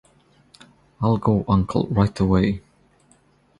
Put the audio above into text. I'll go, uncle, right away!